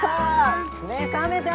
目覚めた？